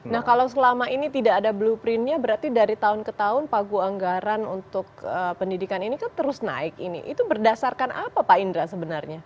nah kalau selama ini tidak ada blueprintnya berarti dari tahun ke tahun pagu anggaran untuk pendidikan ini kan terus naik ini itu berdasarkan apa pak indra sebenarnya